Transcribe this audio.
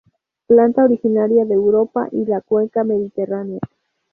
Planta originaria de Europa y la cuenca mediterránea.